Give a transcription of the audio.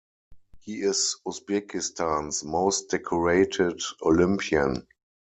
He is Uzbekistan's most decorated Olympian.